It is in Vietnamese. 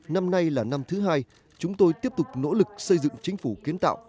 năm nay là năm thứ hai chúng tôi tiếp tục nỗ lực xây dựng chính phủ kiến tạo